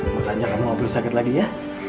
makanya kamu gak perlu sakit lagi ya